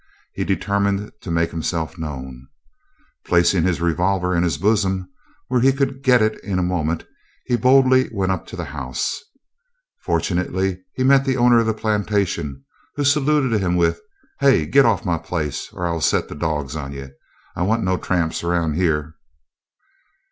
He determined to make himself known. Placing his revolver in his bosom, where he could get it in a moment, he boldly went up to the house. Fortunately he met the owner of the plantation, who saluted him with, "Heah, git off of my place, or I will set the dogs on you. I want no tramps around heah."